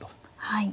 はい。